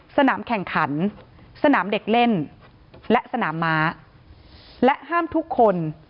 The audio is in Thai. สนามแข่งขันสนามเด็กเล่นและสนามม้าและห้ามทุกคน